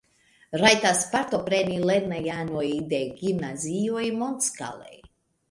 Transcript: Rajtas partopreni lernejanoj de gimnazioj mondskale.